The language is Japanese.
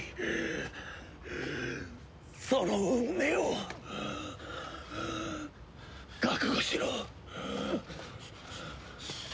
その運命を覚悟しろ。